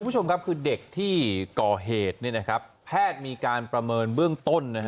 คุณผู้ชมครับคือเด็กที่ก่อเหตุแพทย์มีการประเมินเบื้องต้น